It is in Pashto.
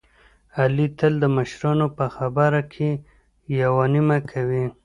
علي تل د مشرانو په خبره کې یوه نیمه کوي.